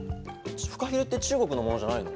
フカヒレって中国のものじゃないの？